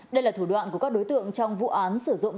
đây là thủ đoạn của các đối tượng trong vụ án sử dụng tài lượng